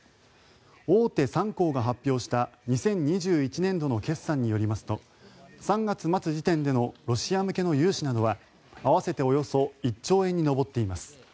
大手３行が発表した２０２１年度の決算によりますと３月末時点でのロシア向けの融資などは合わせておよそ１兆円に上っています。